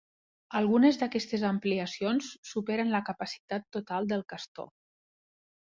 Algunes d'aquestes ampliacions superen la capacitat total del Castor.